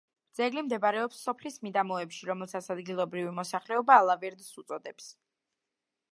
ძეგლი მდებარეობს სოფლის მიდამოებში, რომელსაც ადგილობრივი მოსახლეობა ალავერდის უწოდებს.